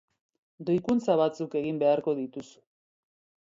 Doikuntza batzuk egin beharko dituzu.